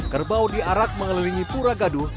kerbau diarak mengelilingi pura gaduh